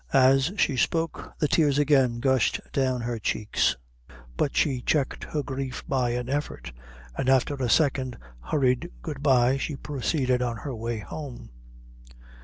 As she spoke, the tears again gushed down her cheeks; but she checked her grief by an effort, and after a second hurried good bye, she proceeded on her way home.